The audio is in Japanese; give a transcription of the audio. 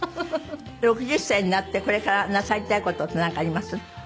６０歳になってこれからなさりたい事ってなんかあります？